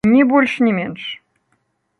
Ні больш ні менш!